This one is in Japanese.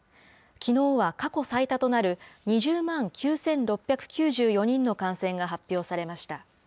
きのうは過去最多となる２０万９６９４人の感染が発表されました。